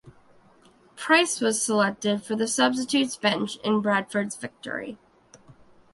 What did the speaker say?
Pryce was selected for the substitutes bench in Bradford's victory.